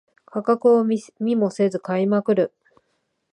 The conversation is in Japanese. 価格を見もせず買いまくる